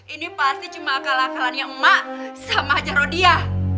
ini pasti cuma akal akalannya emak sama aja rodia